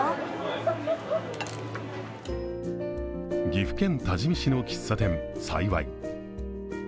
岐阜県多治見市の喫茶店、さいわい。